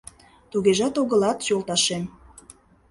Тугежат огылат, йолташем.